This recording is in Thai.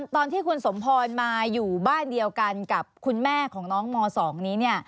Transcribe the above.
ตอนที่คุณสมพรมาอยู่บ้านเดียวกันกับคุณแม่ของน้องม๒นี้